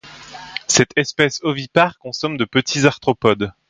Cette espèce ovipare consomme de petits arthropodes.